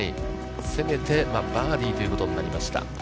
せめてバーディーということになりました。